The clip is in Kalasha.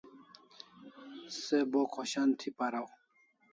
Se bo khoshan thi paraw